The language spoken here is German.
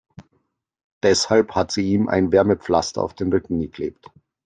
Deshalb hat sie ihm ein Wärmepflaster auf den Rücken geklebt.